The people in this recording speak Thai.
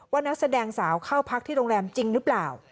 นักแสดงสาวเข้าพักที่โรงแรมจริงหรือเปล่า